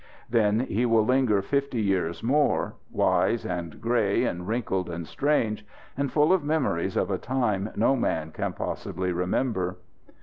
Then he will linger fifty years more, wise and grey and wrinkled and strange and full of memories of a time no man can possibly remember.